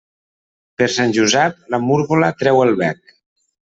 Per Sant Josep, la múrgola treu el bec.